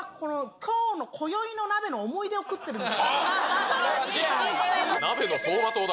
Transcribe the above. きょうのこよいの鍋の思い出を食ってるんです。